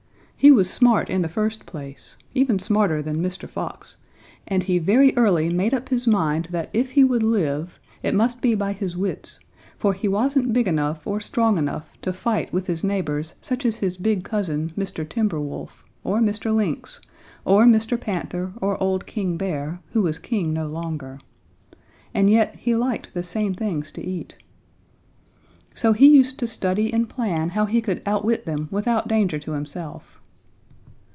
He was smart in the first place, even smarter than Mr. Fox, and he very early made up his mind that if he would live, it must be by his wits, for he wasn't big enough or strong enough to fight with his neighbors such as his big cousin, Mr. Timber Wolf, or Mr. Lynx, or Mr. Panther or Old King Bear, who was king no longer. And yet he liked the same things to eat. "So he used to study and plan how he could outwit them without danger to himself.